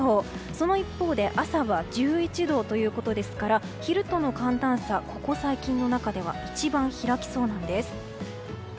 その一方で朝は１１度ということですから昼との寒暖差、ここ最近の中では一番開きそうなんです。